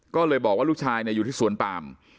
ก็เลยบอกว่าลูกชายอยู่ที่สวนปาม